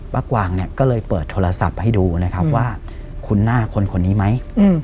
กวางเนี่ยก็เลยเปิดโทรศัพท์ให้ดูนะครับว่าคุณหน้าคนคนนี้ไหม